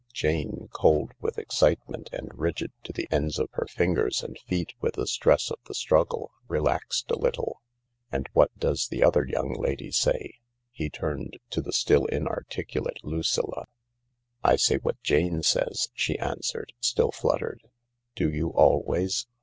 Jane, cold with excitement and rigid to the ends of her fingers and feet with the stress of the struggle, relaxed a little. M And what does the other young lady say ?" He turned to the still inarticulate Lucilla. " I say what Jane says," she answered, still fluttered. " Do you always